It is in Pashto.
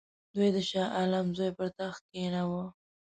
دوی د شاه عالم زوی پر تخت کښېناوه.